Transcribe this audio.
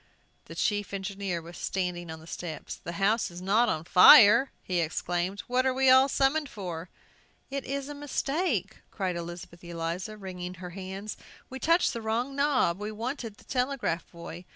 The chief engineer was standing on the steps. "The house not on fire!" he exclaimed. "What are we all summoned for?" "It is a mistake," cried Elizabeth Eliza, wringing her hands. "We touched the wrong knob; we wanted the telegraph boy!"